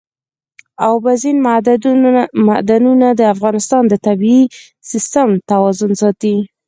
اوبزین معدنونه د افغانستان د طبعي سیسټم توازن ساتي.